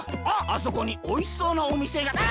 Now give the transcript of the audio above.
あっあそこにおいしそうなおみせが。